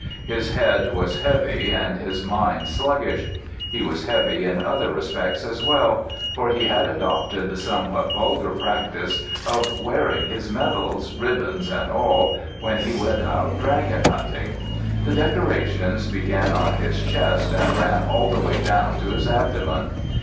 His head was heavy and his mind sluggish. He was heavy in other respects as well, for he had adopted the somewhat vulgar practice of wearing his medals, ribbons and all, when he went out dragon hunting. The decorations began on his chest and ran all the way down to his abdomen.